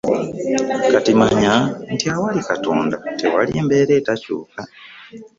Kati manya nti awali Katonda tewali mbeera etakyuka.